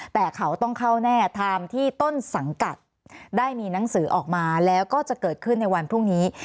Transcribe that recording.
แต่เขาต้องเข้าแน่ไทม์ที่ต้นสังกัดได้มีหนังสือออกมาแล้วก็จะเกิดขึ้นในวันพรุ่งนี้